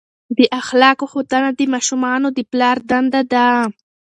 د اخلاقو ښودنه د ماشومانو د پلار دنده ده.